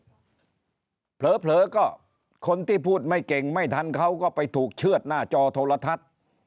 เหลือเหลือก็คนที่พูดไม่เก่งไม่ทันเขาก็ไปถูกเชื่อดหน้าจอธถ